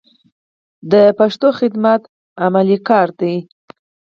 د پښتو خدمت عملي کار دی.